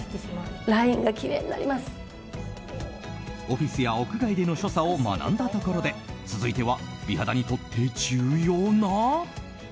オフィスや屋外での所作を学んだところで続いては美肌にとって重要な。